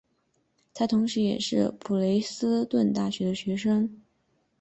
他同时也是普雷斯顿大学的学生。